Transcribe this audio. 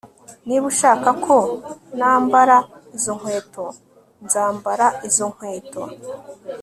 niba ushaka ko nambara izo nkweto, nzambara izo nkweto